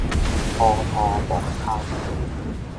烏塗磅空